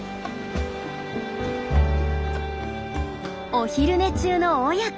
お昼寝中の親子。